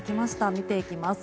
見ていきます。